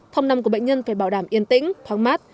phòng năm của bệnh nhân phải bảo đảm yên tĩnh thoáng mát